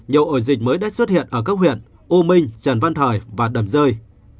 nhiều ổ dịch mới đã xuất hiện ở các huyện u minh trần văn thời và đầm rơi